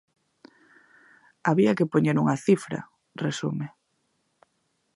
"Había que poñer unha cifra", resume.